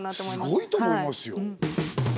すごいと思いますよ。